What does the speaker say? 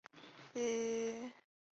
锯齿螈捍卫了自己的领地。